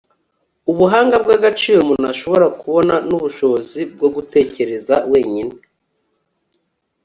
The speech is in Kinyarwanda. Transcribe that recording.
ubuhanga bwagaciro umuntu ashobora kubona nubushobozi bwo gutekereza wenyine